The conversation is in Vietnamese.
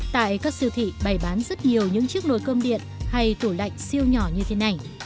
tại các siêu thị bày bán rất nhiều những chiếc nồi cơm điện hay tủ lạnh siêu nhỏ như thế này